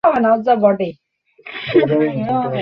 তাই তিন দিনে দুটি ব্যাংক ভবনসহ ঈদগাহ মাঠ নদীগর্ভে চলে গেছে।